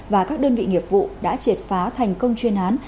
và các đơn vị nghiệp vụ đã triệt phá thành công chuyên án